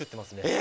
え！